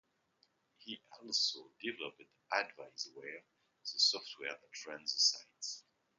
He also developed AdviceWare, the software that runs the sites.